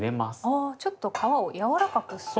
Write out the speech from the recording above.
あちょっと皮を柔らかくする。